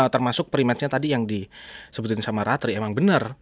termasuk pre matchnya tadi yang disebutin sama ratri emang bener